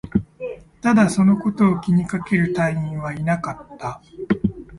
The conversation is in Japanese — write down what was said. ただ、そのことを気にかける隊員はいなかった